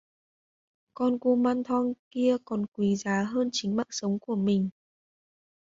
Con kumanthong kia còn quý giá hơn chính mạng Sống Của mình